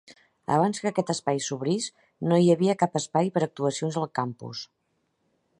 Abans que aquest espai s'obrís no hi havia cap espai per actuacions al campus.